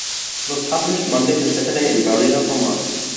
It was published Monday to Saturday in Berliner format.